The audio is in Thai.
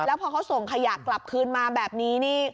แล้วพอเขาส่งขยะกลับคืนมาแบบนี้นี่